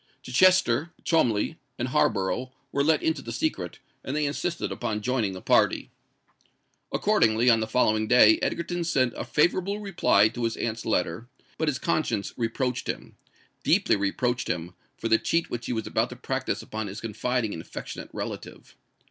Chichester, Cholmondeley, and Harborough were let into the secret; and they insisted upon joining the party. Accordingly, on the following day Egerton sent a favourable reply to his aunt's letter; but his conscience reproached him—deeply reproached him, for the cheat which he was about to practise upon his confiding and affectionate relative.